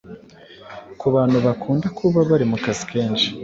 ku bantu bakunda kuba bari mu kazi kenshi